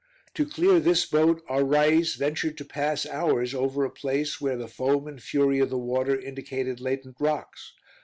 To clear this boat, our rais ventured to pass ours over a place where the foam and fury of the water indicated latent rocks.